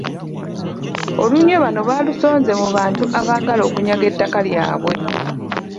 Olunwe bano baalusonze mu bantu abaagala okunyaga ettaka lyabwe.